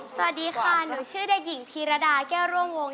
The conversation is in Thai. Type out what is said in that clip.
สวัสดีค่ะหนูชื่อเด็กหญิงธีรดาแก้วร่วง